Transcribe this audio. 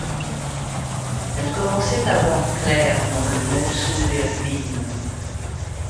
Elle commençait à voir clair, dans le monceau des ruines.